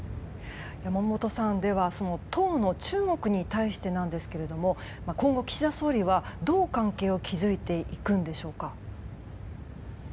山本さん当の中国に対してなんですけども今後、岸田総理はどう関係を築いていくんでしょうか。